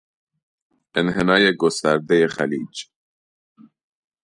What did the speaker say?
انحنای گستردهی خلیج